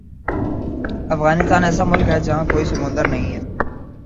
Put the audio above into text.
افغانستان ایسا ملک ہے جہاں کوئی سمندر نہیں ہے